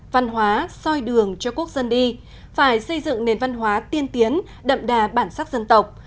văn hóa soi đường cho quốc dân đi phải xây dựng nền văn hóa tiên tiến đậm đà bản sắc dân tộc